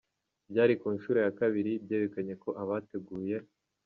Byari kunshuro ya kabiri, byerekanye ko abateguye.